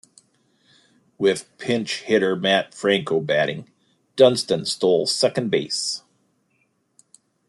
With pinch-hitter Matt Franco batting, Dunston stole second base.